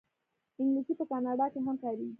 انګلیسي په کاناډا کې هم کارېږي